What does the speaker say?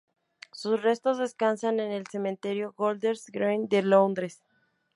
Sus restos descansan en el Crematorio Golders Green de Londres.